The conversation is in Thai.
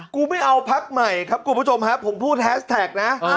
ไม่เอาพักใหม่ครับคุณผู้ชมฮะผมพูดแฮสแท็กนะ